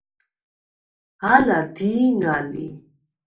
ალა დი̄ნა ლი.